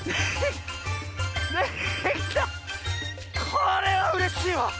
これはうれしいわ！